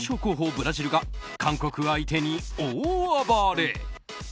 ブラジルが韓国相手に大暴れ。